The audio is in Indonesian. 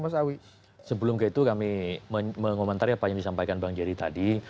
sebelum itu kami mengomentari apa yang disampaikan bang jerry tadi